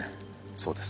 そうです。